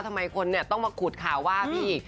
ทำไมคนเนี่ยต้องมาขุดข่าวว่าพี่